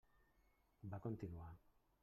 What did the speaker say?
Va continuar.